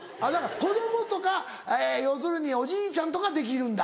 子供とか要するにおじいちゃんとかはできるんだ？